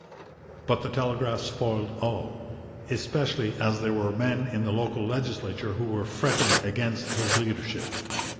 But the telegraph spoiled all, especially as there were men in the local legislature who were fretting against his leadership.